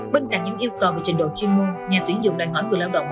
bên cạnh những yêu cầu về trình độ chuyên môn nhà tuyển dụng đòi hỏi người lao động